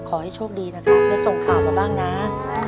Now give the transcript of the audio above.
ขอให้โชคดีนะครับได้ส่งข่าวมาบ้างนะ